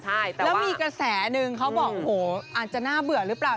แล้วมีกระแสนึงเขาบอกโหอาจจะน่าเบื่อหรือเปล่า